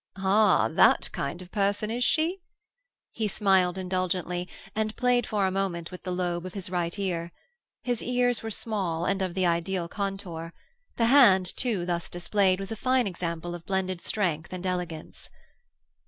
"Ah, that kind of person, is she?" He smiled indulgently, and played for a moment with the lobe of his right ear. His ears were small, and of the ideal contour; the hand, too, thus displayed, was a fine example of blended strength and elegance.